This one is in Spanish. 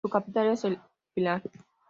Su capital es El Pilar.